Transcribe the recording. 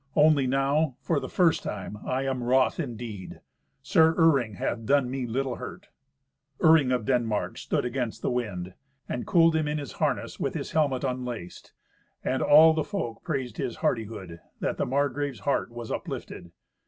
Only now, for the first time, I am wroth indeed. Sir Iring hath done me little hurt." Iring of Denmark stood against the wind, and cooled him in his harness, with his helmet unlaced; and all the folk praised his hardihood, that the Margrave's heart was uplifted.